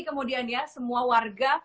kemudian ya semua warga